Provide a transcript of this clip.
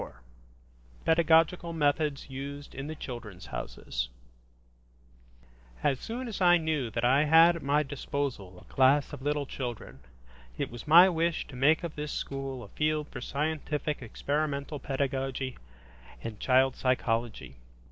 CHAPTER IV PEDAGOGICAL METHODS USED IN THE "CHILDREN'S HOUSES" AS soon as I knew that I had at my disposal a class of little children, it was my wish to make of this school a field for scientific experimental pedagogy and child psychology.